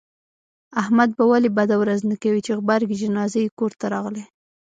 احمد به ولې بده ورځ نه کوي، چې غبرگې جنازې یې کورته راغلې.